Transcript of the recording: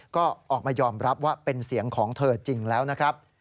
ก็ออกมายอมรับว่าเป็นเสียงของเธอจริงแล้วนะครับ